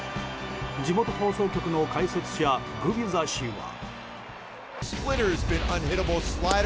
地元放送局の解説者グビザ氏は。